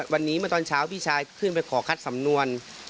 วันนี้เมื่อตอนเช้าพี่ชายขึ้นไปขอคัดสำนวน